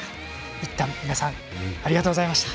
いったん、皆さんありがとうございました。